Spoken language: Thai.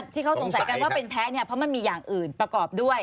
ที่เขาสงสัยกันว่าเป็นแพ้เนี่ยเพราะมันมีอย่างอื่นประกอบด้วย